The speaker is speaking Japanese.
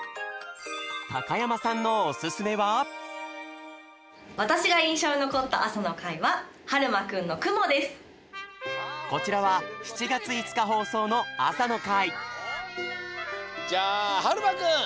高山さんのわたしがいんしょうにのこったあさのかいはこちらは７がつ５かほうそうのあさのかいじゃあはるまくん。